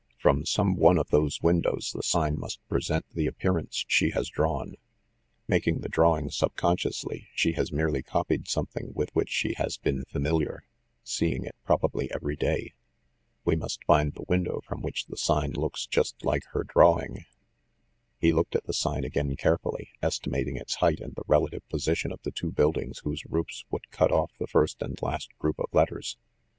From some one of those windows the sign must present the appearance she has drawn. Making the drawing subconsciously, she has merely copied something with which she has been familiar, ‚ÄĒ seeing it, probably, every day. We must find the win dow from which the sign looks just like her drawing." He looked at the sign again carefully, estimating its height and the relative position of the two buildings whose roofs would cut off the first and last group of letters.